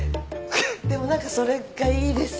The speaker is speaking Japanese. でも何かそれがいいです。